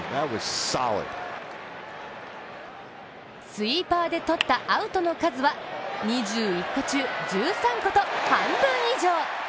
スイーパーでとったアウトの数は２１個中１３個と半分以上。